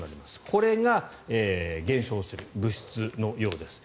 これが減少する物質のようです。